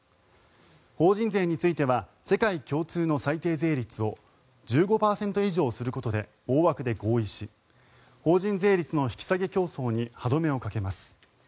法人税については世界共通の最低税率を１５％以上することで大枠で合意し法人税率の引き下げ競争に歯止めをかけます。